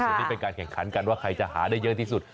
ส่วนนี้เป็นการแข่งขันกันว่าใครจะหาได้เยอะที่สุด